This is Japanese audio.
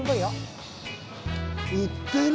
売ってる。